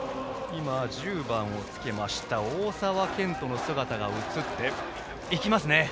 １０番をつけました大沢健翔の姿が映って行きますね。